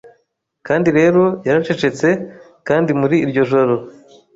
Kandi rero yaracecetse kandi muri iryo joro